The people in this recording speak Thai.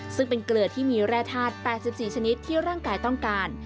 ซึ่งเป็นเกลือที่มีแร่ธาตุ๘๔ชนิดที่ร่างกายต้องการ